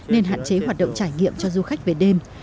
nên hạn chế hoạt động trải nghiệm cho du khách về đêm